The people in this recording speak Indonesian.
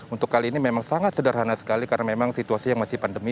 untuk kali ini memang sangat sederhana sekali karena memang situasi yang masih pandemi